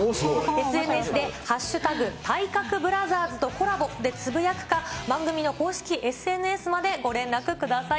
ＳＮＳで＃体格ブラザーズとコラボでつぶやくか、番組の公式ＳＮＳまでご連絡ください。